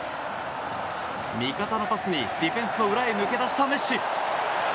味方のパスにディフェンスの裏へ抜け出したメッシ。